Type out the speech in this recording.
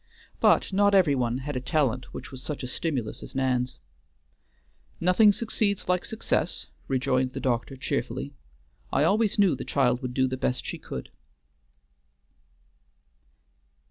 But not every one had a talent which was such a stimulus as Nan's. "Nothing succeeds like success," rejoined the doctor cheerfully, "I always knew the child would do the best she could."